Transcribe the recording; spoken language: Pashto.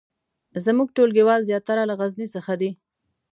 زمونږ ټولګیوال زیاتره له غزني څخه دي